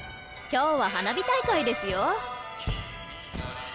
今日は花火大会ですよ。